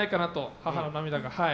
母の涙が。